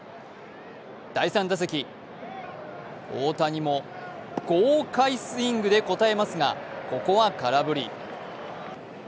第３打席、大谷も豪快スイングで応えますがここは空振り。